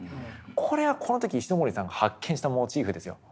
これはこの時石森さんが発見したモチーフですよ。